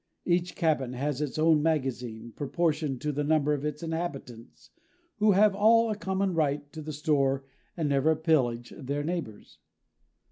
"Each cabin has its own magazine, proportioned to the number of its inhabitants, who have all a common right to the store and never pillage their neighbors."